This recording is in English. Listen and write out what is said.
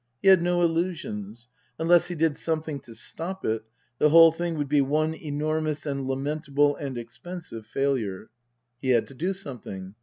He had no illusions. Unless he did some thing to stop it, the whole thing would be one enormous and lamentable and expensive failure. He had to do something.